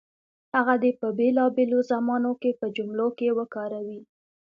هغه دې په بېلابېلو زمانو کې په جملو کې وکاروي.